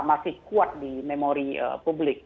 masih kuat di memori publik